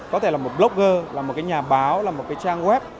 có thể là một blogger một nhà báo một trang web